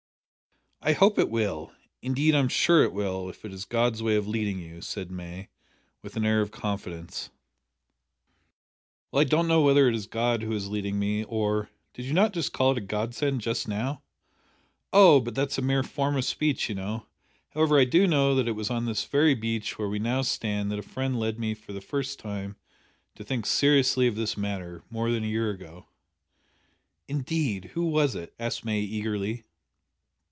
"I hope it will indeed I am sure it will if it is God's way of leading you," said May, with an air of confidence. "Well, I don't know whether it is God who is leading me or " "Did you not call it a god send just now " "Oh, but that's a mere form of speech, you know. However, I do know that it was on this very beach where we now stand that a friend led me for the first time to think seriously of this matter more than a year ago." "Indeed who was it?" asked May eagerly.